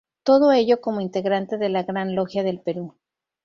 Todo ello como integrante de la Gran Logia del Perú.